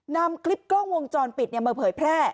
นำคลิปกล้องวงจรปิดมาเผยแพร่